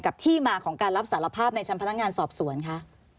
ที่มาของการรับสารภาพในชั้นพนักงานสอบสวนคะ